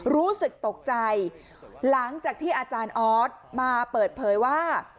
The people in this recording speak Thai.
รู้สึกตกใจหลังจากที่อาจารย์ออสมาเปิดเผยว่า